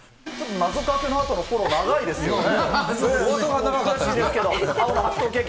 謎かけのあとのフォローが長いですよね。